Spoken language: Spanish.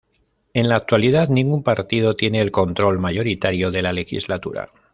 En la actualidad, ningún partido tiene el control mayoritario de la legislatura.